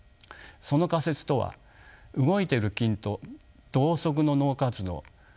その仮説とは動いている筋と同側の脳活動